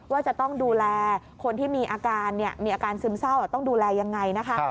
ว่าจะต้องดูแลคนที่มีอาการมีอาการซึมเศร้าต้องดูแลยังไงนะคะ